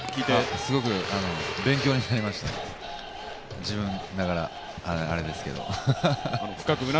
すごく勉強になりました、自分、なかなか、あれですけれども。